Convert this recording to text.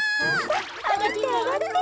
さっあがってあがって。